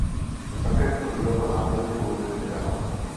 To také splnil a následné volby vyhrál.